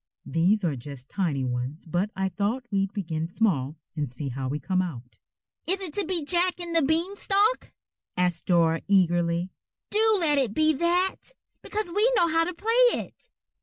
"These are just tiny ones but I thought we'd begin small and see how we come out." "Is it to be Jack and the Beanstalk?" asked Dora eagerly. "Do let it be that, because we know how to play it."